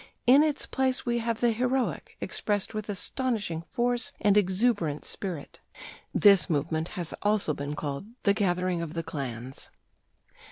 In its place we have the heroic expressed with astonishing force and exuberant spirit." This movement has also been called "the gathering of the clans."